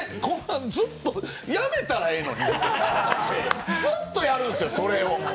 やめたらええのにずっとやるんですよ、それを。